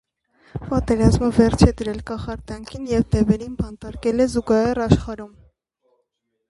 Պատերազմը վերջ է դրել կախարդանքին և դևերին բանտարկել է զուգահեռ աշխարհում։